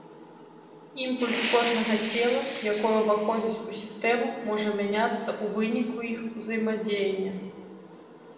Імпульс кожнага цела, якое ўваходзіць у сістэму, можа мяняцца ў выніку іх узаемадзеяння.